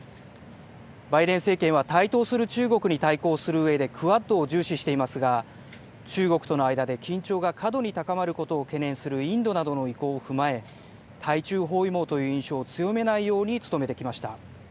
バイデン政権は台頭する中国に対抗するうえでクアッドを重視していますが、中国との間で緊張が過度に高まることを懸念するインドなどの意向を踏まえ、対中包囲網という印象を強めないように努めてきました。